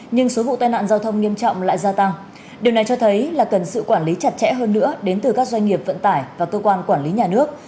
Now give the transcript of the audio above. nhưng số vụ tai nạn giao thông nghiêm trọng lại gia tăng điều này cho thấy là cần sự quản lý chặt chẽ hơn nữa đến từ các doanh nghiệp vận tải và cơ quan quản lý nhà nước